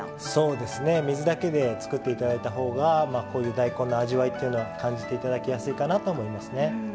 水だけで作っていただいたほうがこういう大根の味わいっていうのは感じていただきやすいかなと思いますね。